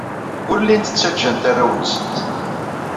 Ur llint ttajjant arraw-nsent.